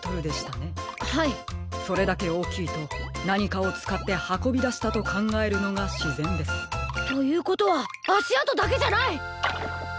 それだけおおきいとなにかをつかってはこびだしたとかんがえるのがしぜんです。ということはあしあとだけじゃない！